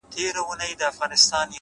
هره هڅه د راتلونکي تخم دی.!